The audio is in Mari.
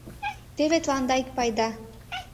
Теве тыланда ик пайда.